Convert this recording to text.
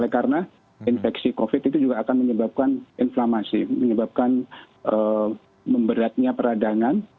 karena infeksi covid sembilan belas itu juga akan menyebabkan inflamasi menyebabkan memberatnya peradangan